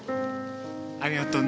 ありがとうね。